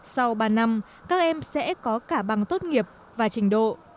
sau ba năm các em sẽ có cả bằng tốt nghiệp và trình độ